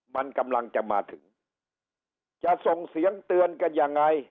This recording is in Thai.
มันกำลังจะมาถึงจะส่งเสียงเตือนกันยังไง